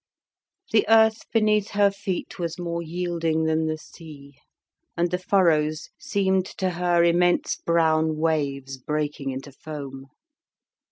The earth beneath her feet was more yielding than the sea, and the furrows seemed to her immense brown waves breaking into foam.